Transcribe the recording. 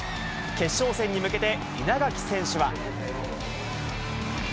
決勝戦に向けて、稲垣選手は。